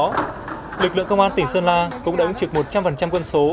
đó lực lượng công an tỉnh sơn la cũng đã ứng trực một trăm linh quân số